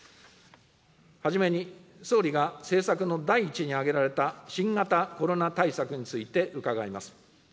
はじめに、総理が政策の第１に挙げられた新型コロナ対策について伺います。